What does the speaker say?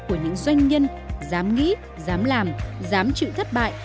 của những doanh nhân dám nghĩ dám làm dám chịu thất bại